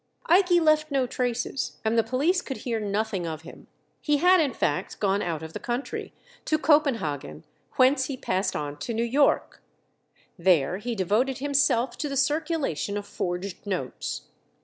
Ikey left no traces, and the police could hear nothing of him. He had in fact gone out of the country, to Copenhagen, whence he passed on to New York. There he devoted himself to the circulation of forged notes.